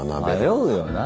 迷うよな。